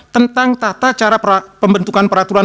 tentang tata cara pembentukan peraturan